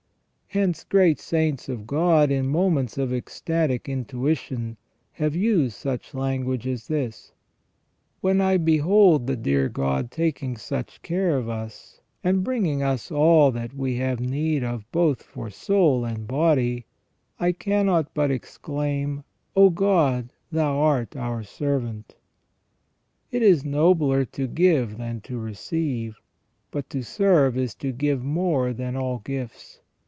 Hence great saints of God, in moments of ecstatic intuition, have used such language as this :" When I behold the dear God taking such care of us, and bring ing us all that we have need of both for soul and body, I cannot but exclaim — O God, Thou art our servant ". It is nobler to give than to receive, but to serve is to give more than all gifts.